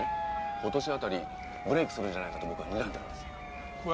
今年あたりブレイクするんじゃないかと僕はにらんでるんですよ。